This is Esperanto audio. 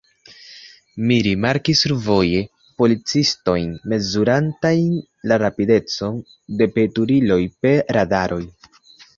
Mi rimarkis survoje policistojn mezurantajn la rapidecon de veturiloj per radaroj.